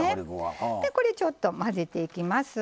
でこれちょっと混ぜていきます。